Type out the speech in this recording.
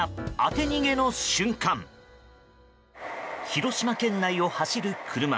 広島県内を走る車。